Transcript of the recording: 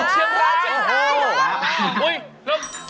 เชียงรายโอ้โห